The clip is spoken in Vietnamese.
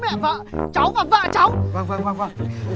mày có đúng